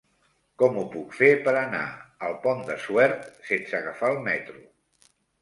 Com ho puc fer per anar al Pont de Suert sense agafar el metro?